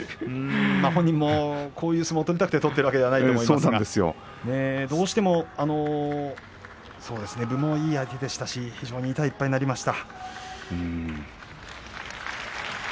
本人もこういう相撲を取りたくて取っているわけではないと思うんですがどうしても分のいい相手ですから非常に痛い１敗になりました。